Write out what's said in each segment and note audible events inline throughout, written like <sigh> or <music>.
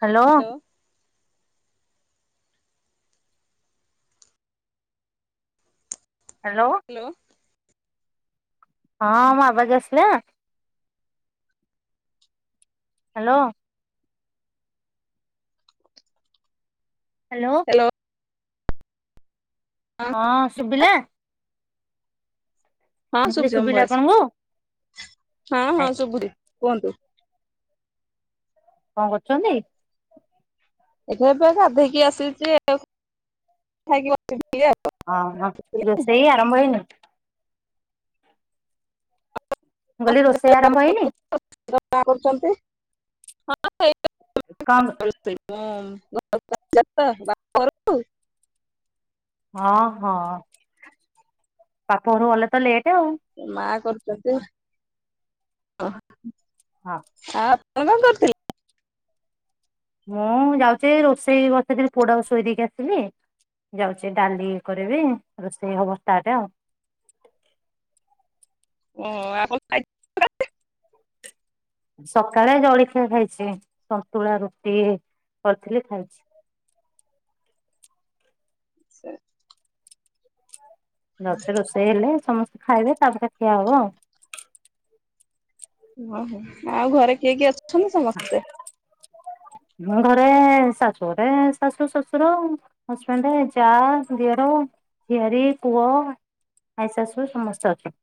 Hello. Hello. ହଁ ମୋ ଆବାଜ ଆସିଲା? ହାଲୋ। ହ୍ୟାଲୋ। ହଁ ଶୁଭିଲା? ହଁ କହିଲି ଶୁଭୁଛି ତୋମ ଶୁଭିଲା ଭଏସ୍। ଆପଣଙ୍କୁ ହଁ ଆ ହଁ ଶୁଭୁଛି। କୁହନ୍ତୁ। କଣ କରଛନ୍ତି? ଏବେ ଏବେ ଗାଧେଇକି ଆସିଚି ଆଉ। ଖାଇକି <inaudible> ଅଁ, ହଁ ରୋଷଇ ଆରମ୍ଭ ହେଇନି। ମୁଁ କହିଲି ରୋଷେଇ ଆରମ୍ଭ ହେଇନି? <inaudible> କରୁଚନ୍ତି। ହଁ। କଣ <inaudible> ସେଇଥିପାଇଁ ଆଉ। <inaudible> ବାପ ଘରକୁ। ହଁ, ହଁ ବାପ ଘରକୁ ଗଲେ ତ ଲେଟ୍। ଆଉ ମା କର ତୋତେ, ଅଁ, ହଁ ଆ ହଁ କଣ କରୁଥିଲି? ମୁଁ ଯାଉଛି ରୋଷେଇ ବଷେଇରେ ପୋଡା ଶୋଇ ଦେଇକି ଆସିଲି ଯାଉଛି ଡାଲି କରିବି ରୋଷେଇ ହବସ୍ ତାଟା ଆଉ। ଓ ଆଣ ସକାଳେ ଜଳଖିଆ ଖାଇଛି ସନ୍ତୁଳା ରୁଟି କରିଥିଲି ଖାଇଛି। ସେ ନଛ ରୋଷେଇ ହେଲେ ସମସ୍ତେ ଖାଇବେ ତାପ କଖିଆ ଆବ ଓହୋ ଆଉ ଘରେ <inaudible> କିଏକି ଆସୁଛନ୍ତି ସମସ୍ତେ <inaudible> ମୋ ଘରେ ଶାଶୁରେ ଶାଶୁ ଶଶୁର ହଜବେଣ୍ଡରେ ଯା ଦିଅର ଝିଆରୀ ପୁଅ ଆଈ ଶାଶୁ ସମସ୍ତେ ଅଛନ୍ତି।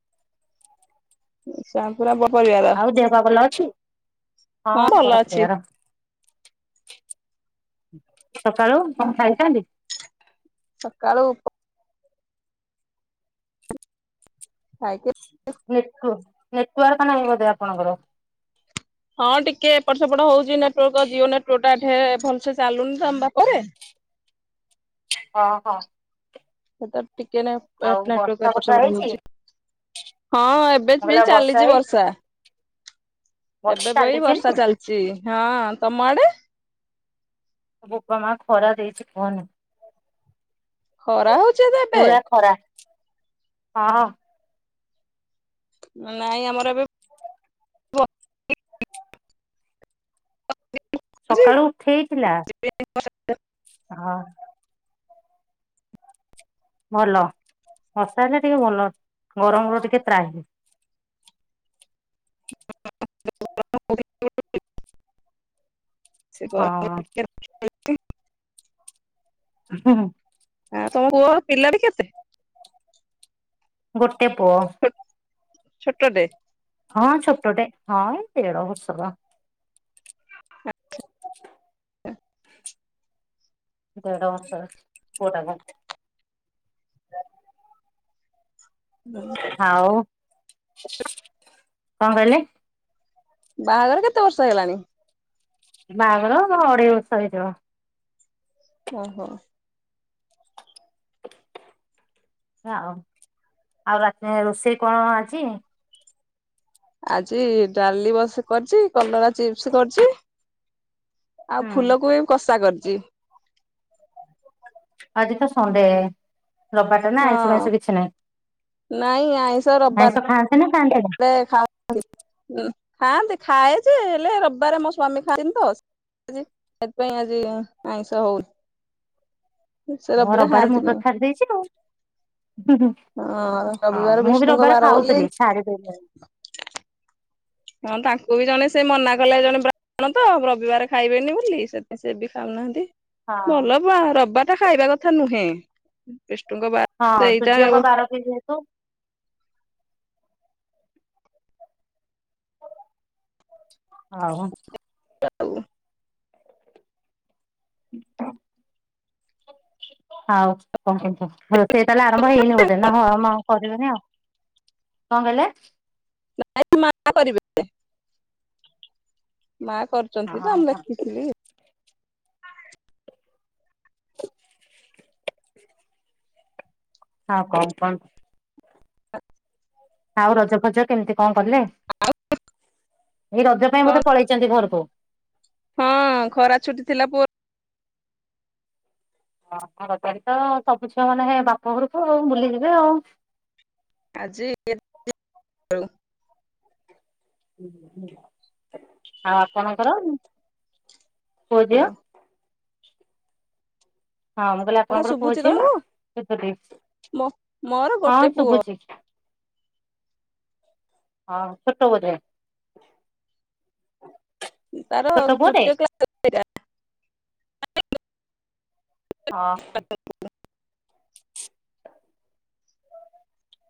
ସେ ପୁରା ବ ଆଉ ଦେହ ପା ଭଲ ଅଛି ହଁ ଭଲ ଅଛି ଗଡତିଆର ସକାଳୁ କଣ ଖଲିଥାଲି? ସକାଳୁ ଉ କାଇକ ନଟ ନେଟୱାର୍କ ନାହିଁ ବୋଧେ ଆପଣଙ୍କର ହଁ ଟିକେ ଏପଟ ସେପଟ ହଉଛି ନେଟୱାର୍କ ଜିଓ ନେଟୱାର୍ ଟା ଏଠେ ଭଲସେ ଚାଲୁନି ତମ ପାପରେ ହଁ ହଁ। ସେ କ ଟିକେ ଏ ପଟେ ସେପଟେ ବର୍ଷା ହେଇଛି ହଉଛି ମୁଁ ହଁ ଏବେ ବି କହିଲି ଆଉ ଚାଲିଛି ହେଇଛି ବର୍ଷା ବର୍ଷା ଏବେ ବି ଚାଲିଛି ବର୍ଷା ନା? ଚାଲିଛି। ହଁ ତମାଡେ ବାୋପା ମା ଖରା ଦେଇଛି କୁହନି। ଖରା ହଉଚ ତ ଏବେ ପୁରା ଖରା ହଁ। ନାଇଁ ଆମର ଏବେ ହ। ବସୁଛି ସକାଳୁ ଉଠେଇଥିଲା ହଁ। ଭଲ ବର୍ଷା ହେଲେ ଟିକେ ଭଲ ଗରମ ରୁ ଟିକେ ତ୍ରାହି ହୁଁ। ସେ ଆ ହଁ। ହୁଁ। ଆ ତମ ପୁଅ ପିଲାଟି କେତେ ଗୋଟେ ଗୋଟେ ପୁଅ ଛୋଟ ଟେ ହଁ ଛୋଟଟେ ହଁ ଏ ଦେଢ ବର୍ଷର ଦେଢ଼ ବର୍ଷ ପୁଅ ଟାକୁ ବଲ ଆଉ କଣ କହିଲେ? ବାହାଘର କେତେ ବର୍ଷ ହେଲାଣି ବାହାଘର ଅଢେଇ ବର୍ଷ ହେଇଯିବ। ଓ ହୋ ଆଉ ଆଉ ରାତି ରୋଷେଇ କଣ ଆଜି ଆଜି ଡାଲି ବସ କରିଛି କଲରା ଚିପ୍ସ କରିଛି। ଆଉ ହୁଁ ଫୁଲ କୋବି କଷା କରିଚି ଜି ଆଜି ତ ସଣ୍ଡେ ରବି ବାର ଟା ନା ଆଇଁଷ ଫଇଁଷ କିଛି ନାହିଁ। ନାଇ ଆାଇଁଷ ଆଇଁଷ ଖାଆନ୍ତି ନା ଖାଆନ୍ତିନି ରବିବାର ଖାଉ ହଁ <inaudible> ଖାଆନ୍ତି ଖାଏଯେ ହେଲେ ରବିବାରେ ମୋ ସ୍ଵାମୀ ଖାଆନ୍ତିନି ତ ସେଥିପାଇଁ ଆଜି ଆଇଁଷ ହଉନି ସେ ହଁ ରବିବାରେ ଖାଆନ୍ତି ମୁଁ ତ ନାହିଁ। ଛାଡି ଦେଇଛି ହଁ ହଁ ରବିବାର ମୁଁ ବି ବିଷ୍ଣୁଙ୍କ ରବିବାର ବାର ବୋଲି ଖାଉଥିଲି ହଁ ଛାଡି <inaudible> ହଁ ତାଙ୍କୁ ବି ଜଣେ ସେ ମନା କଲେ ଜଣେ ବ୍ରା ଣ ତ ରବିବାର ଖାଇବେନି ବୋଲି ସେଥିପାଇଁ ସେ ବି ଖାଉନାହାନ୍ତି। ହଁ ଭଲ ପା ରବିବାର ଟା ଖାଇବା କଥା ନୁହେଁ। <inaudible> ବାର ହଁ ସେଇଟା ସୂର୍ଯ୍ୟଙ୍କ ବାର ବି ଯେହେତୁ ଆଉ ଆଉ ଆଉ କଣ କେମି ଭଲ <unintelligible> ସେ ତାହେଲେ ଆରମ୍ଭ ହେଇନି ବୋଧେ ନା ହଁ ମା କରିବେନି ଆଉ କଣ କହିଲେ ମା କରିବେ ମା କରୁଛନ୍ତି ତ ହଁ ଆମେ ଲେଖିଥିଲି। ହଁ କମ୍ପ <inaudible> ହ <inaudible> ଆଉ ରଜ ଫଜ କେମିତି କଣ କଲେ ଏଇ ରଜ ପାଇଁ କଣ ବୋଧେ ପଳେଇଛନ୍ତି ଘରକୁ? ହଁ ଖରା ଛୁଟି ଥିଲା ପୁଅ ହଁ ରଜରେ ତ ସବୁ ଝିଅ ମାନେ ହେ ବାପ ଘରକୁ ଆଉ ବୁଲିଯିବେ ଆଉ। ଆଉ ଆଉ ଆପଣଙ୍କର ପୁଅ ଝିଅ ହ୍ୟାଲୋ <inaudible> ହଁ ମୁଁ କହିଲି କଥା ଆପଣଙ୍କର ପୁଅ ଶୁଭୁଛି ଝିଅ ତମକୁ କେତୋଟି ମୋ ମୋର ଗୋଟେ ହଁ ପୁଅ। ସୁବୁଛି ହଁ ଛୋଟ ବୋଧେ ତାର ଛୋଟ ପୁଅଟେ? ତୃତୀୟ କ୍ଲାସ <unintelligible> ହଁ।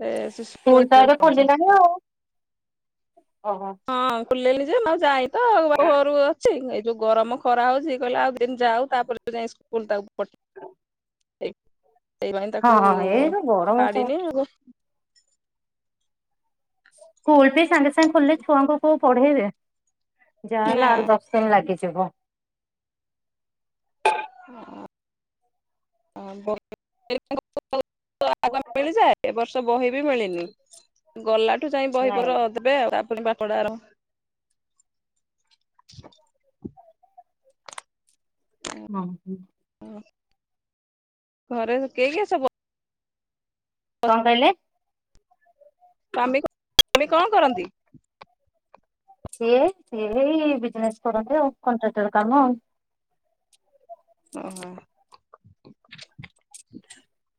ସେ ସ୍କୁଲ ତ ଶିଶୁମନ୍ଦିର ରେ ଏବେ ପଢୁଚି। ଓ ହୋ। ଖୋଲିଲାଣି ଯେ ଆଉ ଯାଇ ତ ଘରୁ ଅଛି। ତ ଯାଇ ଯଉ ଗରମ ଖରା ହଉଚି। କହିଲି ଆଉ ଦିନ ଯାଉ ତାପରେ ଯାଇ ସ୍କୁଲ ତାକୁ ପଠେଇବି। <inaudible> ସେଇଥି ପାଇଁ ହଁ ତାକୁ ହଁ ଏଇ ଯୋଉ ଗରମ କୁ ଛାଡିନି ଆଉ। ସ୍କୁଲ ବି ସାଙ୍ଗେ ସାଙ୍ଗେ ଖୋଲିଲେ ଛୁଆଙ୍କୁ କୋଉ ପଢେଇବେ। ଯାହା ହଉ ନା ଆଠ ଦଶ ଦିନ ଲାଗି ଯିବ। <unintelligible> ମିଳିଯାଏ ଏ ବର୍ଷ ବହି ବି ମିଳିନି। ଗଲାଠୁ ଯାଇ ନାଇଁ ବହିପର ଦେବେ। ଆଉ ଆପଣ ପଡ଼ାର ହଁ ହଁ। ଘରେ କେହି କେ ସବ କଣ କହିଲେ? ସ୍ୱାମୀ କଣ କରନ୍ତି? ସିଏ ସିଏ ବି ବିଜନେସ କରନ୍ତି ଆଉ କଣ୍ଟ୍ରାକ୍ଟର କାମ ଆଉ। ହୁଁ ହୁଁ।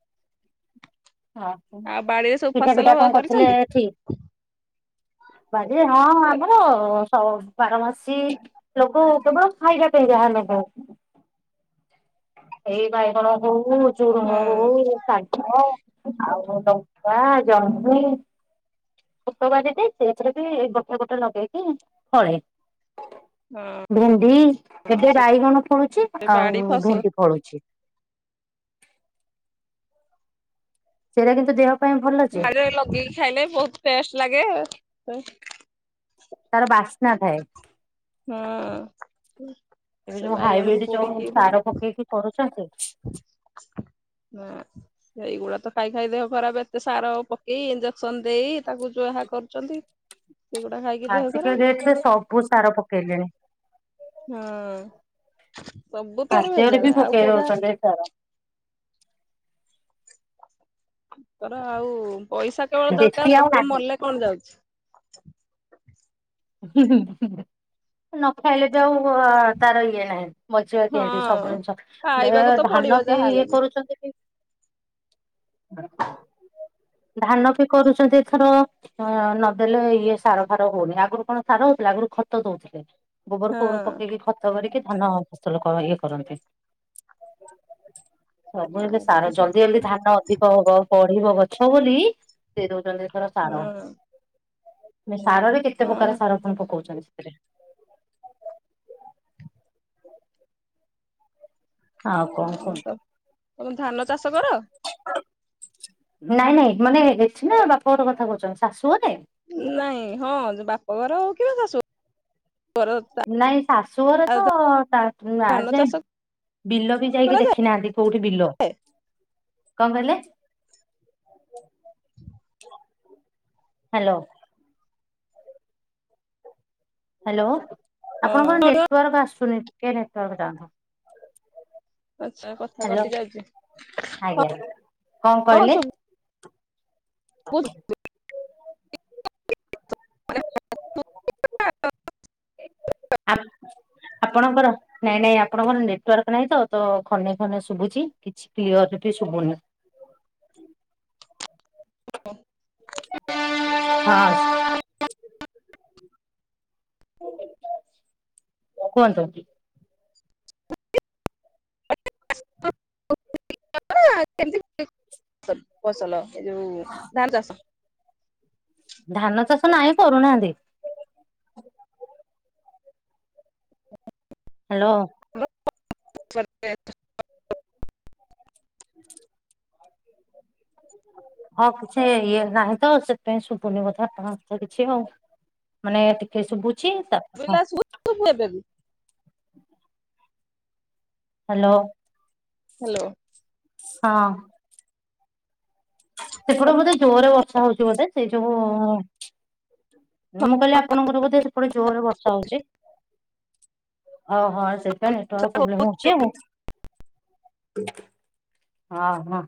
ଓହୋ ଆଉ ବାଡିରେ ସବୁ ପିଠା ଫସଲ ପିଠା କଣ କରିଥିଲେ କରିଛନ୍ତି? ଠି। ବାଡ ଏ ହଁ ଆମର ବାରବାସୀ ଲୋକ କେବଳ ଖାଇବା ପାଇଁ ଯାହା ଲଗା ହେଇଚି। ଏଇ ଭାଇ କଣ କୋଉ ହଁ ଝୁରଙ୍ଗ ହଉ ଶାଗ ଆଉ ଲା ଜନ୍ହି। ପୋକ ବା ଯେଟେ ସେଥିରେ ବି ଗଟା ଗୋଟା ଲଗେଇକି ଫଳେ। ହଁ ଭେଣ୍ଡି ଏବେ ସେ ବାଇଗଣ ଫଳୁଚି ବାଡି ଆଉ ଫସ ଭେଣ୍ଡି ଫଳୁଚି। ସେଇଟା କିନ୍ତୁ ଦେହ ପାଇଁ ଭଲ ଯେ ଆ ଲଗେଇକି ଖାଇଲେ ବହୁତ ଟେଷ୍ଟ ଲାଗେ। <inaudible> ତାର ବାସ୍ନା ଥାଏ। ହୁଁ ଏବେ ସେ ଯୋଉ ବାଇଗଣକୁ ପୋଡିକିଥିଲି। ଆଚା <unintelligible> ନା ଏଇଗୁଡା ତ ଖାଇ ଖାଇ ଦେହ ଖରାପ ଏତେ ସାର ପକେଇ ଇଞ୍ଜେକସନ ଦେଇ ତାକୁ ଯୋହା କରୁଛନ୍ତି। ସେଗୁଡା ଖାଇକି ଦେହ ଆସିକି ଖରାପ ଯରେ ସବୁ ସାର ପକେଇଲେଣି। ହଁ। ସବୁଥିରେ ଆଦ ଓରେ ଭେଜାଲ ବି ଆଉ ଫୋକେ କୋଉଟା ରଚଛନ୍ତି ସାର। ତର ଆଉ। ପଇସା କେବଳ ଦେଶୀ ଦରକାର ଆଉ ଲୋକ ନାହିଁ। ମରଲେ କଣ ଯାଉଛି। <inaudible> ନ ଖାଇଲେ ବି ଆଉ ତାର ଇଏ ନାହିଁ। ମଜଆ କେତି ସବୁ ହଁ। ଜିନିଷ ଦେ ଖାଇବାକୁ ତ ପଡିବ ଧାନ ବି ଇଏ ଯାହାହେଲେ କରୁଛନ୍ତି କି। ଧାନ ବି କରୁଛନ୍ତି ଏଥର ନଦେଲେ ଇଏ ସାର ଫାର ହଉନି ଆଗରୁ। କଣ ସାରା ହଉଥିଲା ଆଗରୁ ଖତ ଦଉଥିଲେ। ଗୋବର କୋବର ହଁ ପକେଇକି ଖତ କରିକି। ନାସ୍ତ ଲୋକ ଇଏ କରନ୍ତି। ସବୁ ଏବେ ଖାଇବା ତ ସାର ଜଲ୍ଦି ଜଲ୍ଦି ସବୁ ଧାନ ଅଧିକ ହବ ବଢିବ। ହ ବୋଲି ସେ ଦଉଛନ୍ତି ଏଥର ସାର। ହଁ ସାରରେ କେତେ ହଁ ପ୍ରକାର ପକଉଛନ୍ତି ସେଥିରେ ଆଉ କଣ କୁହନ୍ତୁ ହଉ ତମେ ଧାନ ଚାଷ କର। ନାଇଁ ନାଇଁ ମାନେ ଏଠି ନା ବାପା ଘର କଥା କହୁଛ। ଶାଶୁ ଘରେ ନାଇଁ ହଁ ବାପଘର ଆଉ କିିବସସୁ ନାଇଁ ଶାଶୁ ଘରେ ତ ନ ଧାନ ଆଜିଯାଏ ଚାଷ ବିଲ ବି ଯାଇକି କରାଯାଏ ଦେଖିନାହାନ୍ତି କୋଉଠି ବିଲ ।କଣ କହିଲେ? ହ୍ୟାଲୋ। ହ୍ୟାଲୋ। ଆପଣଙ୍କର ନେଟୱାର୍କ ଆସୁନି। ଟିକେ ନେଟୱର୍କ ଯାଆନ୍ତୁ। ଆଛା କଥା ହ୍ୟାଲୋ କଟି ଯାଉଛି ଆଜ୍ଞା ହଁ। ହ। ଆପଣଙ୍କର ନାଇଁ ନାଇଁ ଆପଣଙ୍କର ନେଟୱାର୍କ ନାହିଁ ତ ତ ଖନେ ଖନେ ଶୁଭୁଛି। କିଛି କ୍ଲିଅର ଏଠି ଶୁଭୁନି। ହଁ। କୁହନ୍ତୁ। କେମିତି ଫସଲ ଏ ଯୋଉ ଧାନ ଚାଷ ଧାନ ଚାଷ ନାହିଁ କରୁନାହାନ୍ତି। ହାଲୋ। <inaudible> <inaudible> ହଁ କିଛି ଇଏ ନାହିଁ ତ ସେଥିପାଇଁ ଶୁଭୁନି ବୋଧେ ଆପଣଙ୍କ କିଛି ଆଉ ମାନେ ଟିକେ ଶୁଭୁ <unintelligible> ଏବେବି ହାଲୋ। ହାଲୋ। ହଁ। ସେପଟୁ ବୋଧେ ଜୋରେ ବର୍ଷା ହଉଛି ବୋଧେ ସେ ଯୋଉୁ ମୁଁ କହିଲି ଆପଣଙ୍କର ବୋଧେ ସେପଟେ ଜୋରରେ ବର୍ଷା ହଉଛି। ଓହୋ। ସେଥିପାଇଁ ନେଟୱର୍କ ପ୍ରୋବ୍ଲେମ ହଉଛି ଆଉ। ହଁ ହଁ।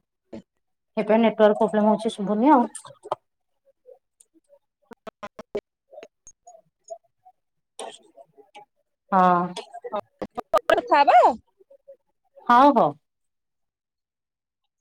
ଏପ ନେଟୱାର୍କ ପ୍ରୋବ୍ଲେମ ହଉଛି ଶୁଭୁନି ଆଉ। <unintelligible> ହଁ। କଥା ହବା ଆଉ। ହଁ ହଉ।